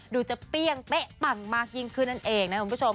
ดูจะเปรี้ยงเป๊ะปังมากยิงคืนนั่นเอง